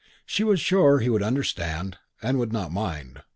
She was sure he would understand and would not mind.